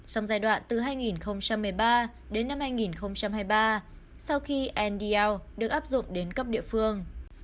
trong giai đoạn từ hai nghìn một mươi ba đến năm hai nghìn hai mươi ba sau khi nd được áp dụng đến cấp địa phương